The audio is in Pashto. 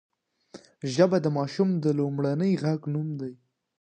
ژبه د ماشوم د لومړني غږ نوم دی